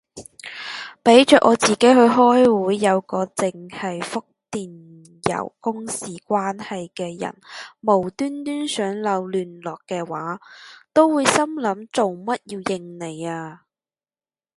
俾着我自己去開會，有個剩係覆電郵公事關係嘅人無端端想留聯絡嘅話，都會心諗做乜要應你啊